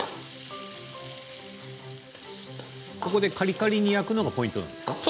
ここでカリカリに焼くのがポイントなんですか？